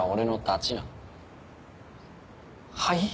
はい？